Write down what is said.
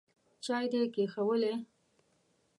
چای دي کښېښوولې ؟